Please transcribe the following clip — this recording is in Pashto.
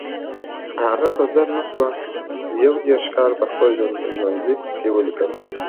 هغه په زر نه سوه یو دېرش کال په خپل ژوندلیک کې ولیکل